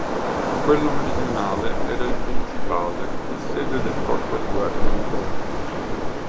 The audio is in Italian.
Quello meridionale era il principale e sede del corpo di guardia interno.